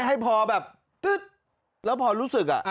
ให้พอแบบตึ๊ดแล้วพอรู้สึก